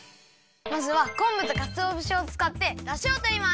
まずはこんぶとかつおぶしをつかってだしをとります！